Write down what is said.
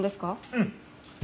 うん。